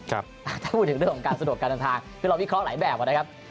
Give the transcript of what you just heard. ถ้าบุ่นถึงสะดวกการเดินทางคือเราวิเคราะห์หลายแบบ